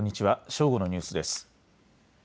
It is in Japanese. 正午のニュースです。